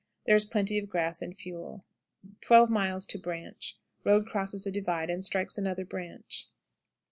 There is plenty of grass and fuel. 12. Branch. Road crosses a divide and strikes another branch.